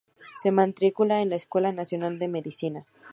Se matricula en la Escuela Nacional de Medicina.